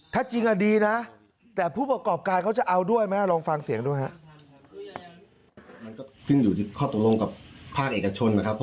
ถ้าจริงดีนะแต่ผู้ประกอบการเขาจะเอาด้วยไหมลองฟังเสียงดูฮะ